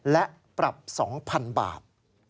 และปรับ๒๐๐๐บาท